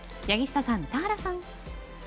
柳下さん、田原さん。